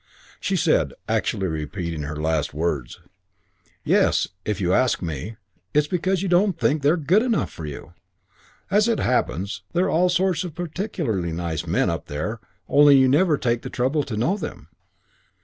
She said, actually repeating her last words, "Yes, if you ask me, it's because you don't think they're good enough for you. As it happens, there're all sorts of particularly nice men up there, only you never take the trouble to know them.